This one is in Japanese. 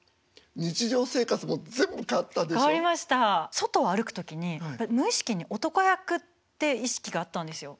外を歩く時に無意識に男役って意識があったんですよ。